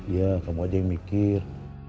ya kamu aja yang mikir